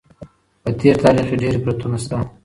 په تېر تاریخ کي ډېر عبرتونه سته.